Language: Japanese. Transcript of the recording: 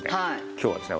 今日はですね